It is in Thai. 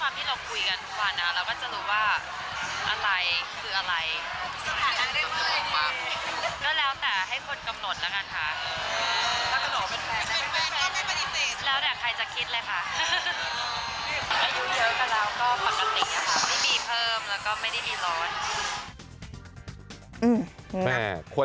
ไม่มีเพิ่มแล้วก็ไม่ได้มีร้อน